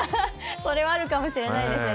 それはあるかもしれないですね。